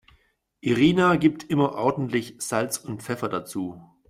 Irina gibt immer ordentlich Salz und Pfeffer dazu.